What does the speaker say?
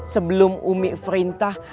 sebelum umik perintah